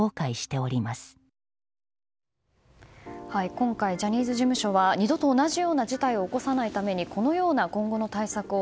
今回、ジャニーズ事務所は二度と同じような事態を起こさないためにこのような今後の対策を